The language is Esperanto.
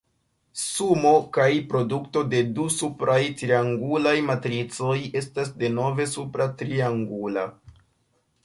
Sumo kaj produto de du supraj triangulaj matricoj estas denove supra triangula.